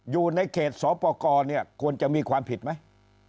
อยู่ในเกษสอปกรควรจะมีความผิดไหม